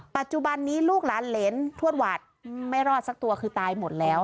ปัจจุบันนี้ลูกหลานเหรนทวดหวัดไม่รอดสักตัวคือตายหมดแล้ว